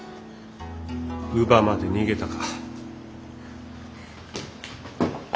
乳母まで逃げたか。